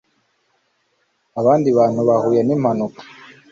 abandi bantu bahuye n'impanuka